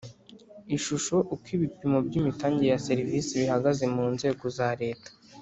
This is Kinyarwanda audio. Ishusho uko ibipimo by imitangire ya serivisi bihagaze mu nzego za Leta